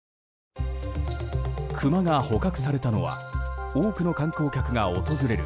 クマが捕獲されたのは多くの観光客が訪れる